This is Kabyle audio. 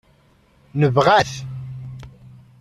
Nebɣa-t.